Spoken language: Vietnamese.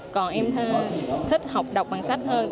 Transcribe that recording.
còn em thích học đọc bằng sách hơn